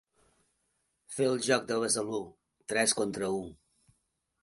Fer el joc de Besalú: tres contra u.